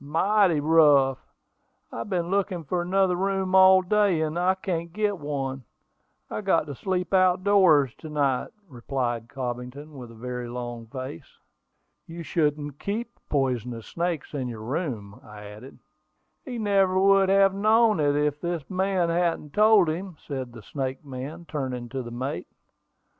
"Mighty rough! I have been looking for another room all day, and I can't get one. I've got to sleep out doors to night," replied Cobbington, with a very long face. "You shouldn't keep poisonous snakes in your room," I added. "He never would have known it if this man hadn't told him," said the snake man, turning to the mate.